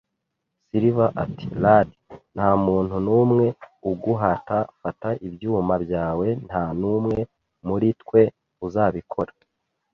Silver ati: "Lad, ntamuntu numwe uguhata. Fata ibyuma byawe. Nta n'umwe muri twe uzabikora